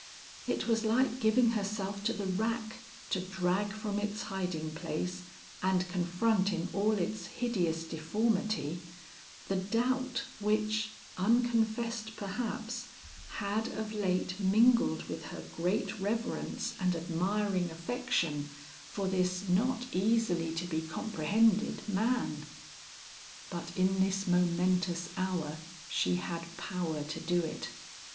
It was like giving herself to the rack to drag from its hiding place and confront in all its hideous deformity, the doubt which, unconfessed perhaps, had of late mingled with her great reverence and admiring affection for this not easily to be comprehended man. But in this momentous hour she had power to do it.